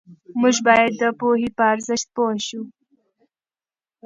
موږ باید د پوهې په ارزښت پوه سو.